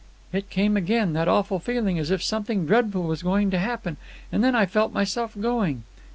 "It came again, that awful feeling as if something dreadful was going to happen. And then I felt myself going."